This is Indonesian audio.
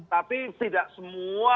tapi tidak semua